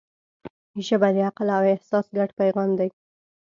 ژبه د عقل او احساس ګډ پیغام دی